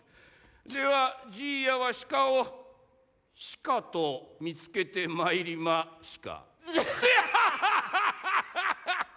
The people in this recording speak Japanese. ではじいやは鹿をシカと見つけてまいりまシカ。